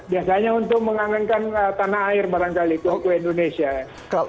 biasanya untuk menganggengkan tanah air barangkali itu kue indonesia